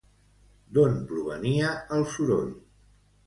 D'on provenia el soroll?